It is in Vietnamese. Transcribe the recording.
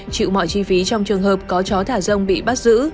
chịu mọi chi phí trong trường hợp có chó thả rông bị bắt giữ